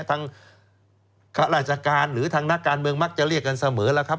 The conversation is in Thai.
ข้าราชการหรือทางนักการเมืองมักจะเรียกกันเสมอแล้วครับ